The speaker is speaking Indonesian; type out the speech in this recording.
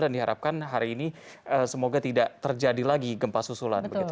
dan diharapkan hari ini semoga tidak terjadi lagi gempas susulan